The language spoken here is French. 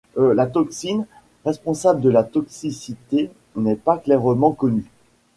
La toxine responsable de la toxicité n'est pas clairement connue.